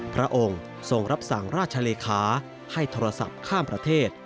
พระองค์ทรงรับสั่งราชเลขาให้โทรศัพท์ข้ามประเทศ